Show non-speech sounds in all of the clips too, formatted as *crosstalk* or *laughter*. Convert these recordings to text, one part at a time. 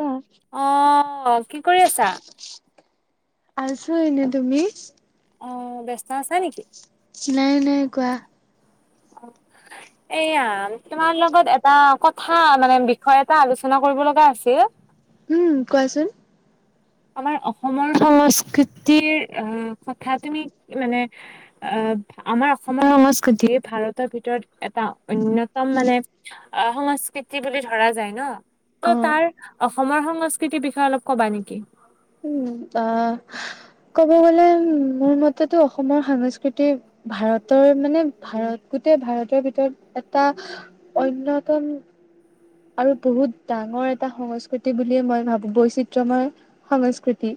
কোৱা। অ, কি কৰি আছা? আছো এনে তুমি? অ, ব্যস্ত আছা নেকি? নাই নাই, কোৱা। অ, *unintelligible* এয়া, তোমাৰ লগত এটা কথা মানে বিষয় এটা আলোচনা কৰিব লগা আছিল। উম, কোৱাচোন? আমাৰ অসমৰ সংস্কৃতিৰ আহ, কথা তুমি মানে আহ, আমাৰ অসমৰ সংস্কৃতি ভাৰতৰ ভিতৰত এটা অন্যতম মানে অ সংস্কৃতি বুলি ধৰা যায় ন অ ত' তাৰ অসমৰ সংস্কৃতিৰ বিষয়ে অলপ কবা নেকি অ ক'ব গলে মোৰ মতেতো অসমৰ সাংস্কৃতি ভাৰতৰ মানে ভাৰত গোটেই ভাৰতৰ ভিতৰত এটা অন্যতম আৰু বহুত ডাঙৰ এটা সংস্কৃতি বুলিয়ে মই ভাবো বৈচিত্ৰ্যময় সংস্কৃতি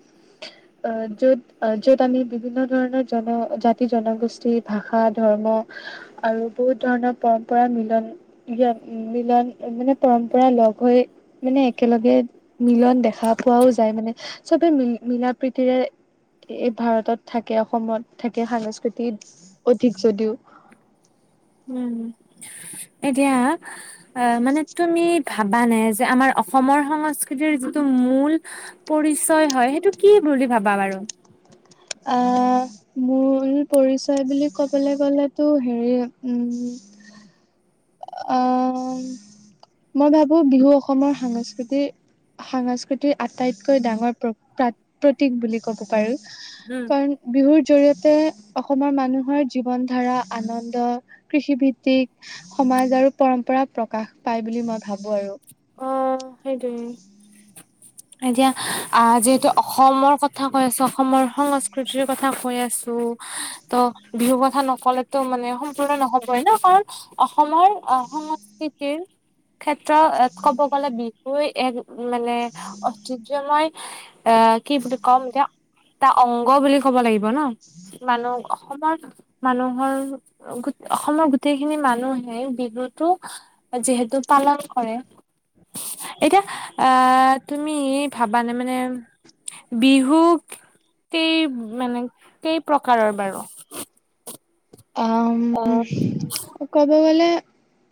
অ য'ত অ য'ত আমি বিভিন্ন ধৰণৰ জন জাতি জনগোষ্ঠী ভাষা ধৰ্ম আৰু বহুত ধৰণৰ পৰম্পৰা মিলন মিলন মানে পৰম্পৰা লগ হৈ মানে একেলগে মিলন দেখা পোৱাও যায় মানে চবে মিল মিলা প্ৰীতিৰে এই ভাৰতত থাকে অসমত থাকে সাংস্কৃতিত অধিক যদিও উম এতিয়া অ মানে তুমি ভাবানা যে আমাৰ অসমৰ সংস্কৃতিৰ যিটো মূল পৰিচয় হয় সেইটো কি বুলি ভাবা বাৰু আহ মূল পৰিছয় বুলি ক'বলৈ গলেতো হেৰি উম আহ মই ভাবো বিহু অসমৰ সাংস্কৃতিৰ সাংস্কৃতিৰ আটাইতকৈ ডাঙৰ প্ৰ প্ৰা প্ৰতীক বুলি ক'ব পাৰি উম, কাৰণ বিহুৰ জৰিয়তে অসমৰ মানুহৰ জীৱন ধাৰা আনন্দ কৃষিভিত্তিক সমাজ আৰু পৰম্পৰা প্ৰকাশ পায় বুলি মই ভাবো আৰু অ সেইটোৱে এতিয়া আহ যিহেতু অসমৰ কথা কথা কৈ আছা অসমৰ সংস্কৃতিৰ কথা কৈ আছো ত' বিহু কথা নকলেতো মানে সম্পূৰ্ণ নহবই ন কাৰণ অসমৰ আহ সংস্কৃতিৰ ক্ষেত্ৰ ক'ব গ'লে বিহুৱে এক মানে ঐতিহ্যময় আহ কি বুলি কম এতিয়া এটা অংগ বুলি ক'ব লাগিব ন মানুহ অসমৰ মানুহৰ গ অসমৰ গোটেইখিনি মানুহে বিহুতো যিহেতু পালন কৰে এতিয়া আহ তুমি ভাবানে মানে বিহু কেই মানে কেই প্ৰকাৰৰ বাৰু অ অ ক'ব গ'লে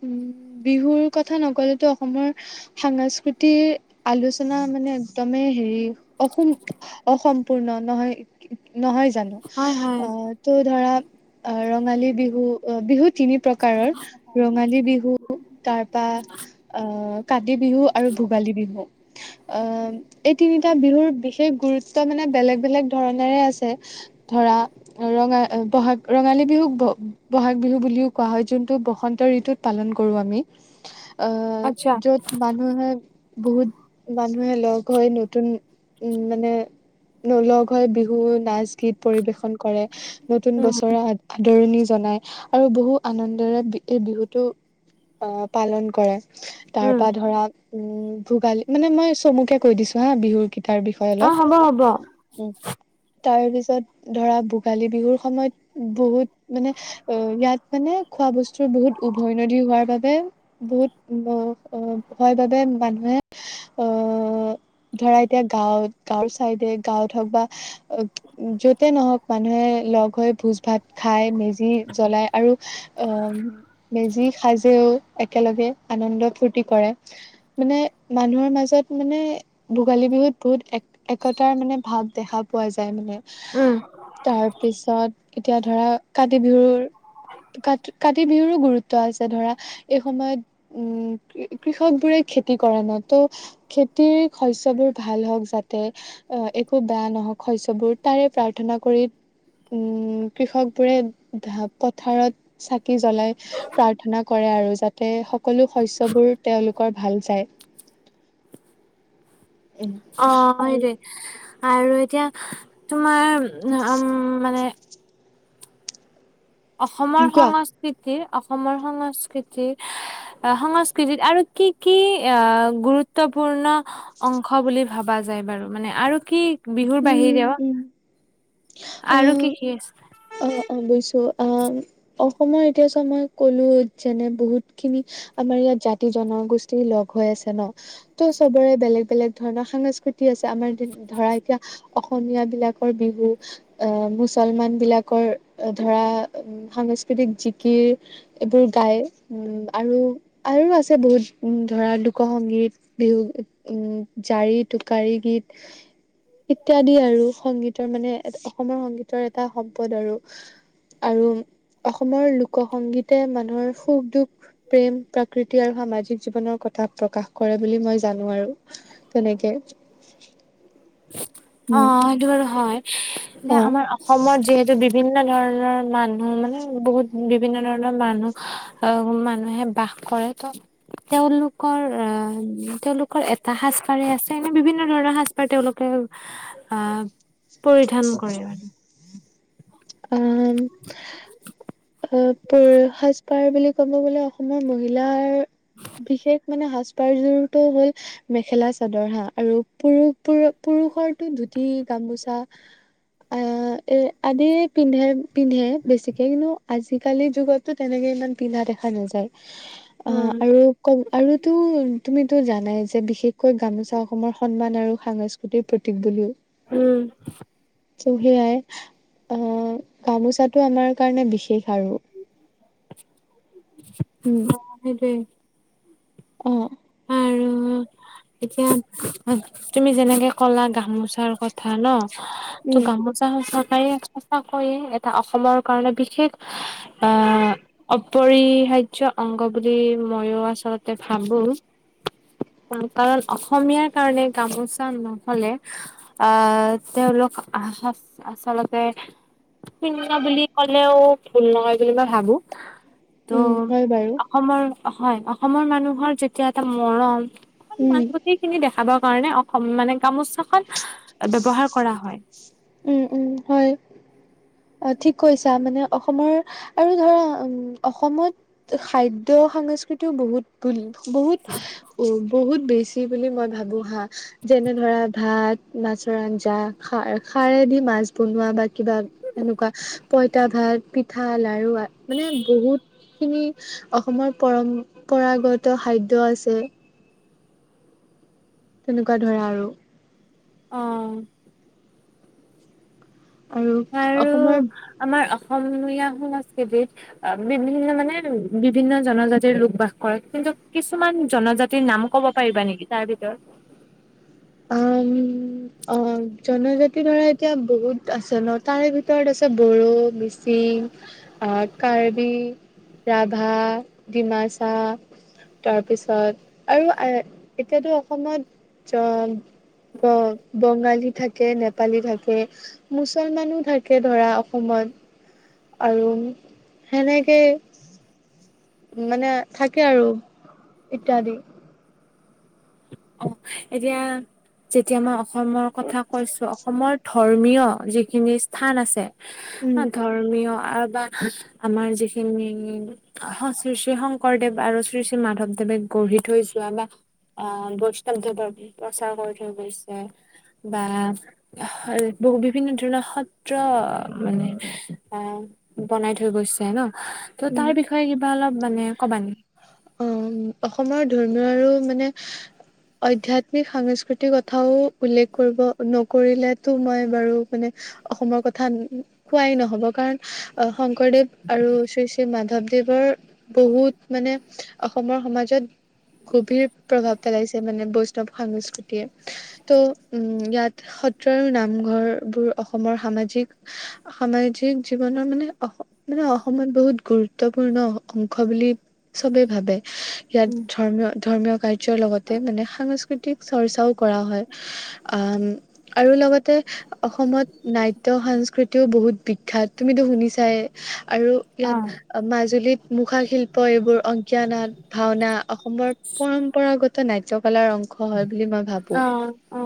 উম বিহুৰ কথা নক'লেতো অসমৰ সাস্কৃতিৰ আলোচনা মানে একদমেই হেৰি অসম অসম্পূৰ্ণ নহয়, নহয় জানো হয় হয় অ ত' ধৰা ৰঙালী বিহু অ বিহু তিনি প্ৰকাৰৰ ৰঙালী বিহু তাৰপা কাতিবিহু আৰু ভোগালী বিহু অ এই তিনিটা বিহুৰ বিশেষ গুৰুত্ব মানে বেলেগ বেলেগ ধৰনেৰে আছে ধৰা ৰঙা বহাগ ৰঙালী বিহুক ব বহাগ বিহু বুলিও কোৱা হয় যোনটো বসন্ত ঋতুত পালন কৰোঁ আমি উ অ যত মানুহে বহুত মানুহে লগ হৈ নতুন উম মানে ন লগ হৈ বিহু নাচ গীত পৰিবেশন কৰে নতুন উম বছৰ কৰা হয় আদৰণি জনাই আৰু বহু আনন্দৰে এই বিহুটো অ পালন কৰে তাৰ উম পৰা ধৰা উম ভোগালী মানে মই চমুকে কৈ দিছো হা বিহুৰ কি তাৰ বিষয়ে অ হ'ব হ'ব অলপ উম তাৰ পিছত ধৰা ভোগালী বিহুৰ সময়ত বহুত মানে অ ইয়াত মানে খোৱা বস্তুৰ বহুত উভৈনদী হোৱাৰ বাবে বহুত হয় বাবে মানুহে আহ ধৰা এতিয়া গাঁৱত গাঁৱৰ চাইডে গাঁৱত হওক বা যতে নহওক মানুহে লগ হৈ ভোজ ভাত খাই মেজি জ্বলাই আৰু আহ মেজি সাজেও, একেলগে আনন্দ ফূৰ্তি কৰে। মানে মানুহৰ মাজত মানে ভোগালী বিহুত বহুত এক একতাৰ মানে ভাৱ দেখা পোৱা যায় মানে উম তাৰ পিছত এতিয়া ধৰা কাতি বিহুৰ কাতি কাত কাতি বিহুৰো গুৰুত্ব আছে ধৰা এই সময়ত উম কৃষক বোৰে খেতি কৰে ন ত' খেতিৰ শস্যবোৰ ভাল হওঁক যাতে আহ একো বেয়া নহওঁক শস্যবোৰ তাৰে প্ৰাৰ্থনা কৰি উম উম কৃষক বোৰে পথাৰত চাকি জ্বলাই প্ৰাৰ্থনা কৰে আৰু যাতে সকলো শস্যবোৰ তেওঁলোকৰ ভাল যায়। অ হয় আৰু দে আৰু এতিয়া তোমাৰ উম মানে অসমৰ কোৱা সংস্কৃতি, অসমৰ সংস্কৃতি সংস্কৃতিত আৰু কি কি আহ গুৰুত্বপূৰ্ণ অংশ বুলি ভাবা যায় বাৰু মানে আৰু কি বিহুৰ উম বাহিৰেও উম আৰু অ কি কি আছে? অ অ বুজিছো অ অসমৰ এতিয়া চ মই কলো যেনে বহুত খিনি আমাৰ ইয়াত জাতি জনগোষ্ঠী লগ হৈ আছে ন তো চবৰে বেলেগ ধৰণৰ সাংস্কৃতি আছে, আমাৰ ধৰা এতিয়া অসমীয়া বিলাকৰ বিহু আহ মুছলমান বিলাক কৰ ধৰা সাংস্কৃতিক জিকিৰ এইবোৰ গাই উম আৰু আৰু আছে বহুত ধৰা লোক সংগীত বিহুগীত উম জাৰি টোকাৰি গীত ইত্যাদি আৰু সংগীতৰ মানে অসমৰ সংগীতৰ এটা সম্পদ আৰু আৰু অসমৰ লোক সংগীতে মানুহৰ সুখ দুখ প্ৰেম প্ৰাকৃতি আৰু সামাজিক জীৱনৰ কথা প্ৰকাশ কৰে বুলি মই জানো আৰু তেনেকে অ উম সেইটো বাৰু হয় অ নে আমাৰ যিহেতু বিভিন্ন ধৰণৰ মানুহ মানে বহুত বিভিন্ন ধৰণৰ মানুহ অ মানুহে বাস কৰে ত তেওঁলোকৰ আহ উম তেওঁলোকৰ এটা সাজ পাৰেই আছে এনে বিভিন্ন ধৰণৰ সাজ পাৰ তেওঁলোকে আহ পৰিধান কৰে মানে আহ *unintelligible* *unintelligible* সাজ পাৰ বুলি ক'ব গলে অসমৰ মহিলাৰ বিশেষ মানে সাজ পাৰ জোৰ টো হ'ল মেখেলা চাদৰ হা আৰু পুৰুষবোৰ পুৰুষৰতো ধুতি, গামোচা *inaudible* এ আদিয়ে পিন্ধে পিন্ধে বেছিকে কিন্তু আজিকালি যুগত টো তেনেকে ইমান পিন্ধা দেখা নাযায় *inaudible* অ আৰু কম আৰুটো তুমিতো জানাই যে বিশেষকৈ গামোচা অসমৰ সন্মান আৰু সাংস্কৃতি ক প্ৰতীক বুলিও উম ত সেয়াই অ গামোচাটো আমাৰ কাৰণে বিশেষ আৰু *inaudible* উম, সেইটোৱে অ আৰু এতিয়া তুমি যেনেকে ক'লা গামোচাৰ কথা ন ত উম, গামো চাওঁ চৰকাৰে সঁচা কৈয়ে এটা অসমৰ কাৰণে বিশেষ আহ অপৰিহাৰ্য অংগ বুলি মইও আচলতে ভাবো কাৰণ অসমীয়াৰ কাৰণে গামোচা নহলে আহ তেওঁলোক আহ আচলতে শূন্য বুলি ক'লেও ভুল নহয় বুলি মই ভাবো উম, হয় বাৰু ত' অসমৰ হয়, অসমৰ মানুহৰ যেতিয়া এটা মৰম উম, সন্মান গোতেই খিনি দেখাবৰ কাৰণে অসম মানে গামোচাখন ব্যৱহাৰ কৰা হয় উম উম হয় অ ঠিক কৈছা মানে অসমৰ আৰু ধৰা উম অসমত সাহিত্য সংস্কৃতিও বহুত বো বহুত উ বহুত বেছ ছি বুলি মই ভাবো হা যেনে ধৰা ভাত, মাছৰ আঞ্জা খাৰ খাৰে দি মাছ বনোৱা বা কিবা এনেকুৱা পঁইতা ভাত, পিঠা লাৰু মানে বহুত খিনি অসমৰ পৰম্পৰাগত খাদ্য আছে। তেনেকুৱা ধৰ আৰু। অ। আৰু আৰু অসমৰ আমাৰ অসমীয়া সংস্কৃতি অ বিভিন্ন মানে বিভিন্ন জনজাতিৰ লোক বাস কৰে, কিন্তু কিছুমান জনজাতিৰ নাম ক'ব পাৰিবা নেকি তাৰ ভিতৰত? *inaudible* উম অ জনজাতি ধৰা এতিয়া বহুত আছে ন তাৰে ভিতৰত আছে বড়ো, মি ছিং, কাৰ্বি, ৰাভা, ডিমাছা। তাৰপিছত আৰু এতিয়াতো অসমত জন ব বঙালী থাকে, নেপালী থাকে। মুছলমানো থাকে ধৰা অসমত আৰু সেনেকে। মানে থাকে আৰু ইত্যাদি। এতিয়া যেতিয়া মই অসমৰ কথা কৈছো অসমৰ ধৰ্মীয় যিখিনি স্থান আছে। উম ধৰ্মীয় আবা আমাৰ যিখিনি। শ্ৰী শ্ৰী শংকৰদেৱ আৰু শ্ৰী শ্ৰী মাধৱদেৱে গঢ়ি থৈ যোৱা বা আঁহ বস- তেনেকে ধৰক প্ৰচাৰ কৰি থৈ গৈছে, বা- হয়, বহু বিভিন্ন ধৰণৰ সত্ৰ মানে আহ- বনাই থৈ গৈছে ন, ত' উম। তাৰ বিষয়ে কিবা অলপ মানে কবা নেকি? অঁ অসমৰ ধৰ্মীয় আৰু মানে- আধয়াত্মিক সাংস্কৃতিক কথাও উল্লেখ কৰিব নকৰিলেতো মই বাৰু মানে- অসমৰ কথা কোৱাই নহব, কাৰণ- অ শংকৰদেৱ আৰু শ্ৰী শ্ৰী মাধৱদেৱৰ বহুত মানে- অসমৰ সমাজত গভীৰ প্ৰভাৱ পেলাইছে মানে বৈষ্ণৱ সংস্কৃতি- তিয়ে, ত' উম ইয়াত সত্ৰ আৰু নামঘৰবোৰ অসমৰ সামাজিক- সামাজিক জীৱনৰ মানে অস- মানে অসমত বহুত গুৰুত্বপূৰ্ণ অংশ বুলি- চবেই ভাবে, ইয়াত উম ধৰ্মীয় ধৰ্মীয় কাৰ্যৰ লগতে মানে সাংস্কৃ- তিক চৰ্চাও কৰা হয়, আম আৰু লগতে- অসমত নাট্য সংস্কৃতিও বহুত বিখ্যাত তুমিতো শুনিছাই, আৰু- অ ইয়াত মাজুলীত মুখা শিল্প এইবোৰ অংকীয়া নাট- ভাওনা অসমৰ পৰম্পৰাগত নাটক। ফালৰ অংশ হয় বুলি মই ভাবো। অ অ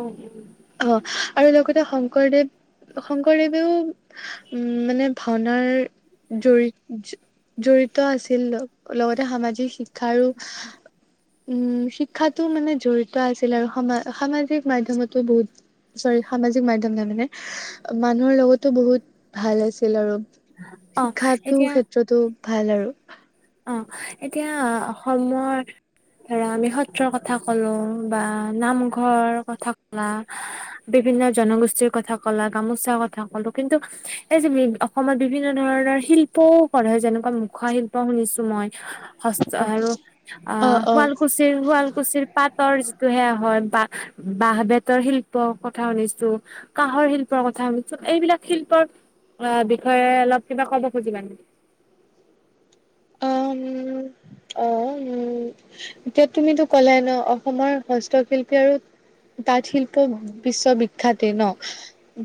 অহ' আৰু লগতে শংকৰদেৱ শংকৰদেৱেও- উম' মানে ভাওনাৰ জৰিত জড়িত আছিল ল- লগতে সামাজিক শিক্ষাৰো- উম' শিক্ষাতো মানে জড়িত আছিল আৰু, সামা সামাজিক মাধ্যমতো বহুত- চৰি সামাজিক মাধ্যমত মানে মানুহৰ লগতো বহুত ভাল আছিল আৰু। অ শিক্ষাতো ক্ষেত্ৰতো ভাল আৰু। অঁ এতিয়া অসমৰ- ধৰা, আমি সত্ৰৰ কথা কলো, বা নামঘৰ কথা কলা- বিভিন্ন জনগোষ্ঠীৰ কথা কলা গামোচাৰ কথা কলো, কিন্তু- এই যে অসমত বিভিন্ন ধৰণৰ শিল্পও কৰা হয়, যেনেকুৱা মুখা শিল- প শুনিছো মই, হস্ত আৰু অ অঁ অ শুৱালকুছিৰ শুৱালকুছিৰ। পাটৰ যিটো সেয়া হয়, বাঁ বাঁহ বেতৰ শিল্পৰ কথা শুনিছো। কাঁহৰ শিল্পৰ কথা শুনিছো, এইবিলাক শিল্পৰ বিষয়ে অলপ কিবা ক'ব খুজিবা নেকি? উম' অঁ' উম'। এতিয়া তুমিতো ক'লাই ন, অসমৰ হস্তশিল্পী আৰু- তাঁত শিল্প বিশ্ববিখ্যাতে ন।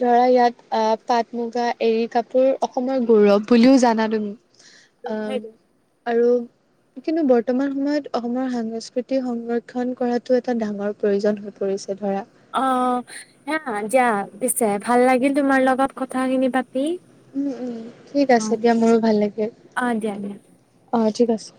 ধৰা, ইয়াত আহ পাট মুগা এৰী কাপোৰ অসমৰ গৌৰৱ বুলিও জানা তুমি। অঁ'- নেকি আৰু, কিন্তু বৰতমান সময়ত অসমৰ সাংস্কৃতিক সংৰক্ষণ এটা কৰাটো এটা ডাঙৰ- প্ৰয়োজন হৈ পৰিছে, ধৰা। অঁ' সেয়া যা পিছে ভাল লাগিল তোমাৰ লগত কথা খিনি পাতি। উম' উম, ঠিক অ আছে দিয়া মোৰো ভাল লাগিল, অ দিয়া দিয়া অঁ ঠিক আছে।